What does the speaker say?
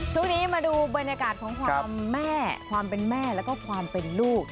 ช่วงนี้มาดูบรรยากาศของความแม่ความเป็นแม่แล้วก็ความเป็นลูก